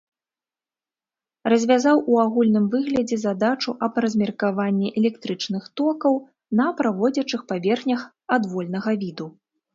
Развязаў у агульным выглядзе задачу аб размеркаванні электрычных токаў на праводзячых паверхнях адвольнага віду.